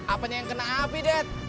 apanya yang kena api ded